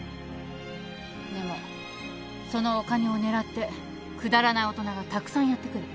でもそのお金を狙ってくだらない大人がたくさんやって来る。